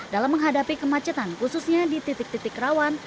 dalam menghadapi kemacetan khususnya di titik titik rawan